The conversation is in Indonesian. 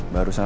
baru saat ini